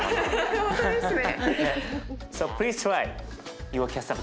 本当ですね。